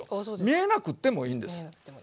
見えなくってもいいんですね。